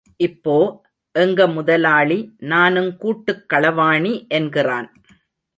இப்போ, எங்க முதலாளி நானும் கூட்டுக் களவாணி என்கிறான்.